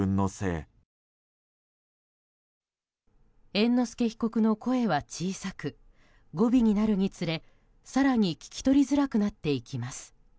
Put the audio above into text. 猿之助被告の声は小さく語尾になるにつれ更に聞き取りづらくなっていきます。